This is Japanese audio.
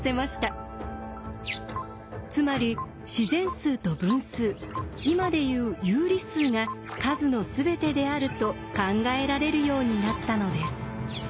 つまり自然数と分数今で言う有理数が数のすべてであると考えられるようになったのです。